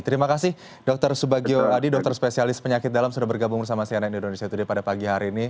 terima kasih dr subagio adi dokter spesialis penyakit dalam sudah bergabung bersama sianen indonesia today pada pagi hari ini